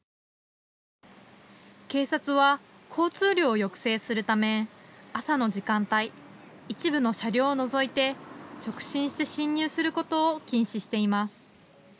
警察は交通量を抑制するため朝の時間帯、一部の車両を除いて直進して進入することを禁止しています。